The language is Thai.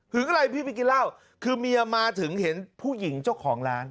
อะไรพี่ไปกินเหล้าคือเมียมาถึงเห็นผู้หญิงเจ้าของร้าน